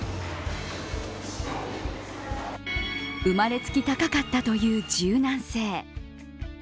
生まれつき高かったという柔軟性。